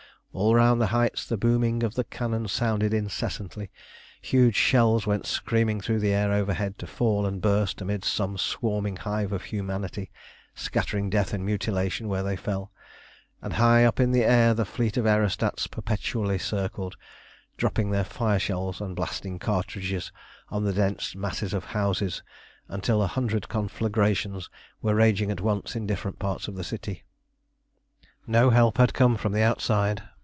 All round the heights the booming of cannon sounded incessantly. Huge shells went screaming through the air overhead to fall and burst amidst some swarming hive of humanity, scattering death and mutilation where they fell; and high up in the air the fleet of aerostats perpetually circled, dropping their fire shells and blasting cartridges on the dense masses of houses, until a hundred conflagrations were raging at once in different parts of the city. No help had come from outside.